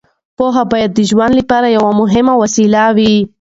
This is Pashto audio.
پوهه باید د ژوند لپاره یوه مهمه وسیله وي.